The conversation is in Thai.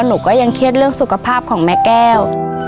หนูก็ยังเครียดเรื่องสุขภาพของแม่แก้ว